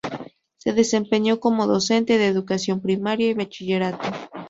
Se desempeñó como Docente de Educación Primaria y Bachillerato.